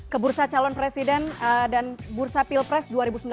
ke bursa calon presiden dan bursa pilpres dua ribu sembilan belas